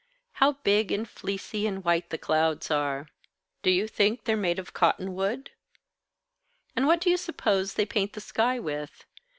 How big and fleecy and white the clouds are. Do you think they're made of cotton wood? And what do you suppose they paint the sky with?